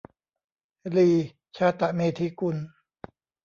ลี ชาตะเมธีกุล